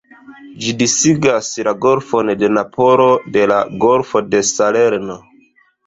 Ĝi disigas la Golfon de Napolo de la Golfo de Salerno.